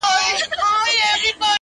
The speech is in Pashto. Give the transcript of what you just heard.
نن: سیاه پوسي ده،